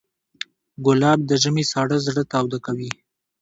ګلاب د ژمي سړه زړه تاوده کوي.